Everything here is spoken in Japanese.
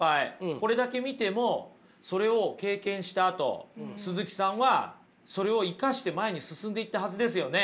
これだけ見てもそれを経験したあと鈴木さんはそれを生かして前に進んでいったはずですよね。